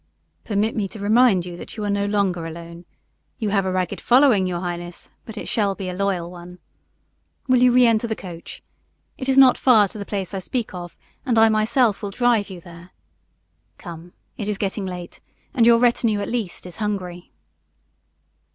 "Permit me to remind you that you are no longer alone. You have a ragged following, your highness, but it shall be a loyal one. Will you re enter the coach? It is not far to the place I speak of, and I myself will drive you there. Come, it is getting late, and your retinue, at least, is hungry."